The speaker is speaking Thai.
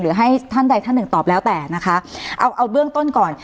ให้ท่านใดท่านหนึ่งตอบแล้วแต่นะคะเอาเอาเบื้องต้นก่อน